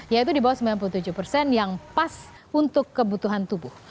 yaitu di bawah sembilan puluh tujuh persen yang pas untuk kebutuhan tubuh